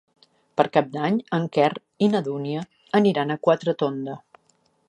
Per Cap d'Any en Quer i na Dúnia aniran a Quatretonda.